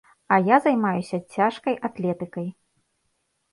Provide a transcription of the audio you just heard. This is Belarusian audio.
А я займаюся цяжкай атлетыкай.